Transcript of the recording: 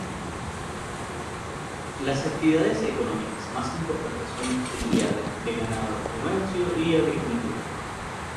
Las actividades económicas más importantes son cría de ganado, comercio y agricultura.